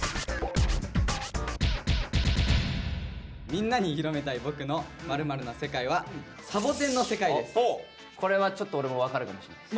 「みんなに広めたい僕の○○な世界」はこれはちょっと俺も分かるかもしれない。